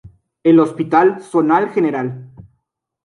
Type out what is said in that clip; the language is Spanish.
El Hospital Zonal Gral.